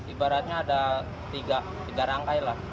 ibaratnya ada tiga rangkai lah